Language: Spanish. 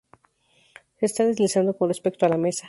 Se está deslizando con respecto a la mesa.